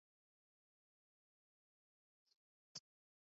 ამ ისტორიაში მრავლად ვხვდებით ადამიანთა გრძნობების მძაფრ გამოვლინებებს.